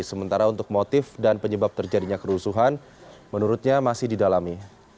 sementara untuk motif dan penyebab terjadinya kerusuhan menurutnya masih didalami